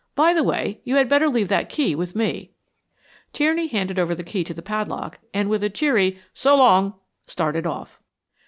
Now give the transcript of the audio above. By the way, you had better leave that key with me." Tierney handed over the key to the padlock, and with a cheery "So long," started off.